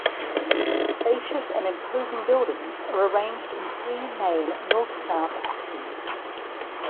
The spacious and imposing buildings are arranged in three main northsouth axes.